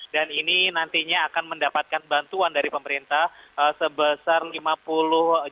dan ini nantinya akan mendapatkan bantuan dari kementerian pekerjaan umum dan juga perumahan rakyat